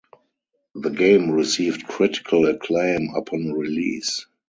The game received critical acclaim upon release.